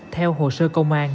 theo hồ sơ công an